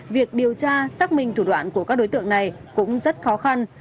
việc điều tra xác minh thủ đoạn của các đối tượng này cũng rất khó khăn